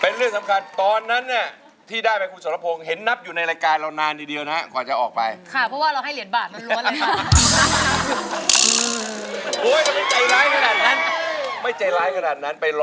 เป็นเรื่องสำคัญตอนนั้นเนี่ยที่ได้แม่คุณสวัสดีพ่อเห็นนับอยู่ในรายการเรานานเดียวนะครับก่อนจะออกไป